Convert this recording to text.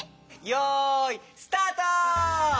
よいスタート！